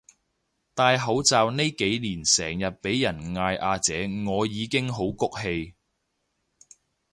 戴口罩呢幾年成日畀人嗌阿姐我已經好谷氣